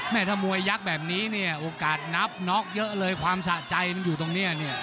ถ้ามวยยักษ์แบบนี้เนี่ยโอกาสนับน็อกเยอะเลยความสะใจมันอยู่ตรงนี้เนี่ย